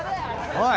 おい！